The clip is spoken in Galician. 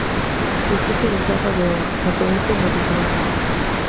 Distrito de Serra Leoa, na provincia Meridional.